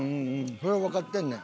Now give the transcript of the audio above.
それはわかってんねん。